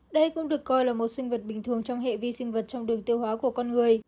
đây cũng được coi là một sinh vật bình thường trong hệ vi sinh vật trong đường tiêu hóa của con người